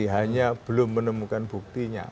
hanya belum menemukan buktinya